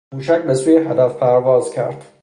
موشک بسوی هدف پرواز کرد.